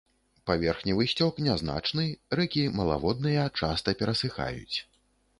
Паверхневы сцёк нязначны, рэкі малаводныя, часта перасыхаюць.